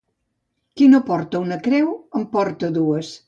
Qui no porta una creu, en porta dues.